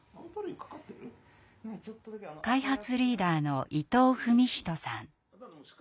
開発リーダーの伊藤史人さん。